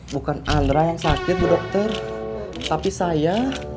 bukan andra yang sakit bu dokter tapi saya